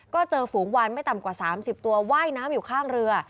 ก็เจอฝูงวานไม่ต่ำกว่า๓๐ตัวว่ายน้ำอยู่ข้างเรือ